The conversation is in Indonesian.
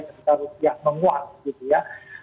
ketika rupiah menguat gitu ya